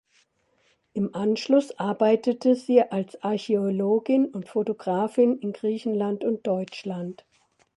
Im Anschluss arbeitete sie als Archäologin und Fotografin in Griechenland und Deutschland.